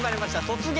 「突撃！